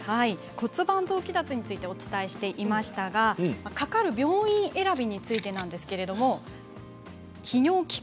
骨盤臓器脱についてお伝えしていましたがかかる病院選びについてです。